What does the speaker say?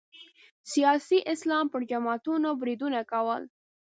سیاسي اسلام پر جماعتونو بریدونه کول